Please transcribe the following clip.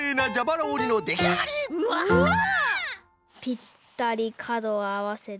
ぴったりかどをあわせて。